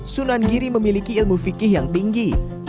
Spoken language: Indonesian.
sunan giri memiliki ilmu fikih yang tinggi